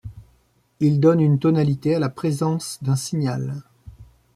Il donne une tonalité à la présence d'un signal.